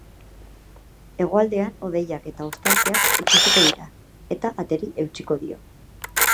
Hegoaldean, hodeiak eta ostarteak ikusiko dira, eta ateri eutsiko dio.